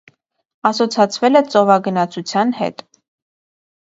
Ասոցացվել է ծովագնացության հետ։